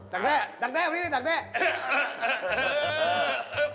ดังได้ดังได้มานี่ดังได้